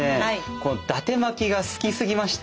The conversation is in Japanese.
このだて巻きが好きすぎまして。